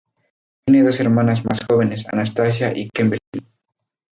Tiene dos hermanas más jóvenes, Anastasia y Kimberly.